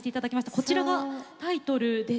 こちらがタイトルでして。